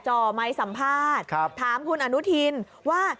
จ่อไมค์สัมภาษณ์ถามคุณอนุทินว่า